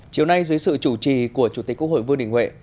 chiều nay dưới sự chủ trì của chủ tịch quốc hội vương đình huệ